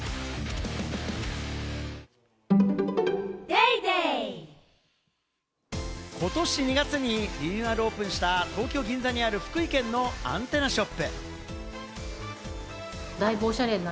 「ｄプログラム」ことし２月にリニューアルオープンした東京・銀座にある福井県のアンテナショップ。